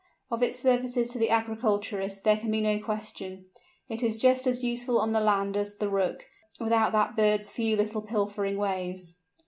Of its services to the agriculturist there can be no question; it is just as useful on the land as the Rook, without that bird's few little pilfering ways.